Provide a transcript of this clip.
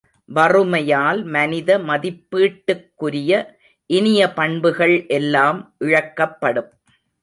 வறுமையால் மனித மதிப்பீட்டுக்குரிய இனிய பண்புகள் எல்லாம் இழக்கப்படும்.